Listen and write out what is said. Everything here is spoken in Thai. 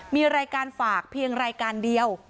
มีรายการฝากเพียงรายการเดียว